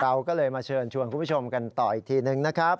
เราก็เลยมาเชิญชวนคุณผู้ชมกันต่ออีกทีนึงนะครับ